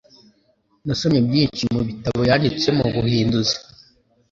Nasomye byinshi mu bitabo yanditse mu buhinduzi.